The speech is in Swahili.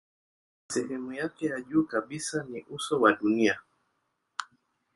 Sehemu yake ya juu kabisa ni uso wa dunia.